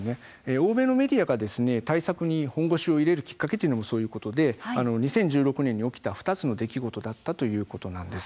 欧米のメディアが対策に本腰を入れるきっかけというのもそういうことで２０１６年に起きた２つの出来事だったということです。